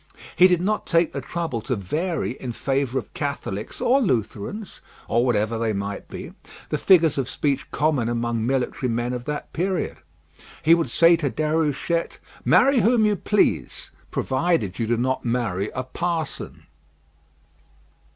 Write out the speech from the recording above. He did not take the trouble to vary in favour of Catholics or Lutherans, or whatever they might be, the figures of speech common among military men of that period. He would say to Déruchette, "Marry whom you please, provided you do not marry a parson."